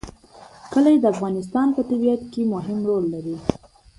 کلي د افغانستان په طبیعت کې مهم رول لري.